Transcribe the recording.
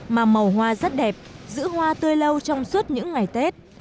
mà màu hoa rất đẹp giữ hoa tươi lâu trong suốt những ngày tết